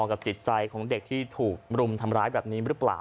กับจิตใจของเด็กที่ถูกรุมทำร้ายแบบนี้หรือเปล่า